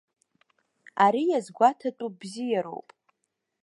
Ари иазгәаҭатәу бзиароуп.